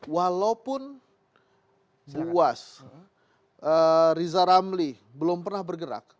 walaupun buas riza ramli belum pernah bergerak